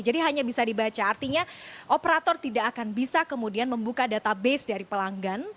jadi hanya bisa dibaca artinya operator tidak akan bisa kemudian membuka database dari pelanggan